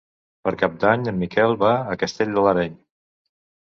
Per Cap d'Any en Miquel va a Castell de l'Areny.